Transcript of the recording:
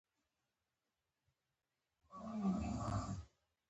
ښه انسان هغه نه دی چې خطا نه کوي.